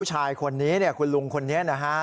ผู้ชายคนนี้เนี่ยคุณลุงคนนี้นะฮะ